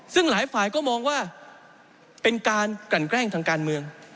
ซึ่งหลายฝ่ายก็มองว่าเป็นการกลั่นแกล้งทางการเมือง